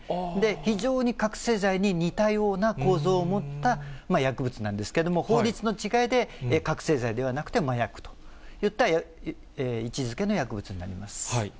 非常に覚醒剤に似たような構造を持った薬物なんですけれども、法律の違いで、覚醒剤ではなくて、麻薬といった位置づけの薬物になります。